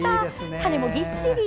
種もぎっしり。